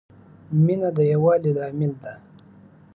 مینه د یووالي لامل ده.